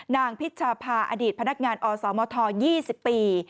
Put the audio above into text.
พิชภาอดีตพนักงานอสมท๒๐ปี